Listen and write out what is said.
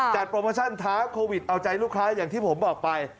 โปรโมชั่นท้าโควิดเอาใจลูกค้าอย่างที่ผมบอกไป